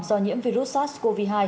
do nhiễm virus sars cov hai